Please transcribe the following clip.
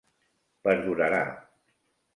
Perdurarà.